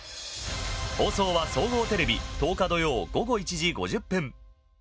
放送は、総合テレビ１０日土曜、午後１時５０分。